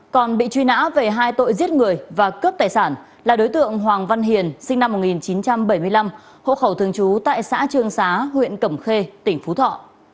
còn bị truy nã về hai tội giết người và cướp tài sản là đối tượng hoàng văn hiền sinh năm một nghìn chín trăm bảy mươi năm hộ khẩu thường trú tại xã trương xá huyện cẩm khê tỉnh phú thọ